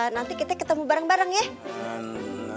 nanti kita ketemu bareng bareng ya